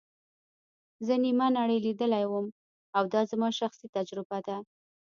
زه نیمه نړۍ لیدلې وم او دا زما شخصي تجربه ده.